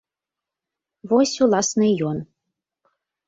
Вось, уласна, і ён.